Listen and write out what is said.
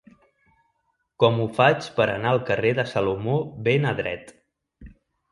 Com ho faig per anar al carrer de Salomó ben Adret